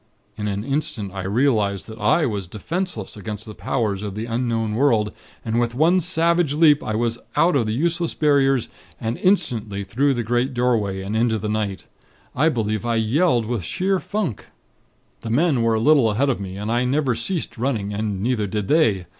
In an instant, I realized that I was defenseless against the powers of the Unknown World, and with one savage leap I was out of the useless Barriers, and instantly through the great doorway, and into the night. I believe I yelled with sheer funk. "The men were a little ahead of me, and I never ceased running, and neither did they.